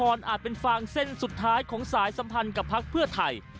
นายจตุพรอาจเป็นฝั่งเส้นสุดท้ายของสายสัมพันธ์กับพรรคเพื่อไทย